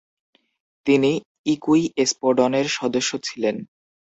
তিনি ইকুই এস্পোডনের সদস্য ছিলেন।